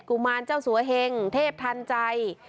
ุมารเจ้าสัวเฮงเทพทันใจ